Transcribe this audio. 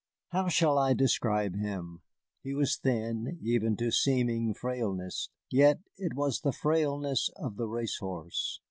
How shall I describe him? He was thin even to seeming frailness, yet it was the frailness of the race horse.